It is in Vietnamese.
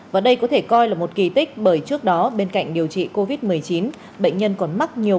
và đây có thể coi là một kỳ tích bởi trước đó bên cạnh điều trị covid một mươi chín bệnh nhân còn mắc nhiều